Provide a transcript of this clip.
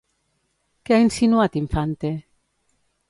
Què ha insinuat Infante?